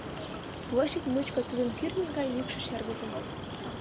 - площадь мучко тудын кӱртньӧ гай йӱкшӧ шергылтын.